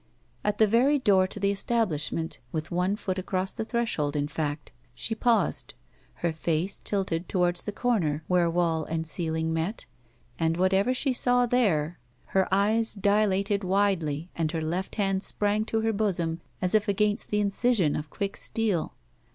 At the very door to the establishment — ^with one foot across the threshold, in fact — she lOO BACK PAY: .:.::.. paused, her face tilted toward the comer where wall and ceiling met, and at whatever she saw there her eyes dilated widely and her left hand sprang to her bosom as if against the incision of quick steel.